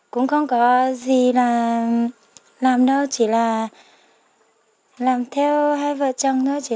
cũng không có gì là làm đâu chỉ là làm theo hai vợ chồng thôi